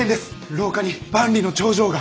廊下に万里の長城が。